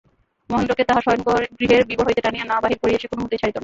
মহেন্দ্রকে তাহার শয়নগৃহের বিবর হইতে টানিয়া না বাহির করিয়া সে কোনোমতেই ছাড়িত না।